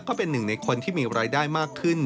ก็เป็นหนึ่งในคนที่มีรายได้มากขึ้น